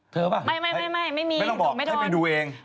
เธอเปล่าไม่ไม่มีตกไม่ทอดไม่ต้องบอกให้ไปดูเอง